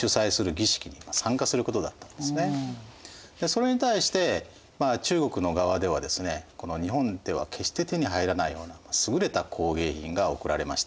それに対して中国の側ではですね日本では決して手に入らないような優れた工芸品が贈られました。